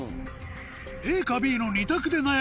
ＡかＢの２択で悩む２人